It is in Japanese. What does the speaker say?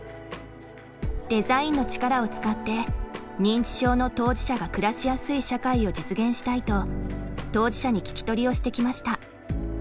デザインの力を使って認知症の当事者が暮らしやすい社会を実現したいと当事者に聞き取りをしてきました。